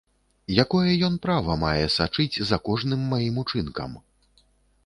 Якое ён права мае сачыць за кожным маім учынкам?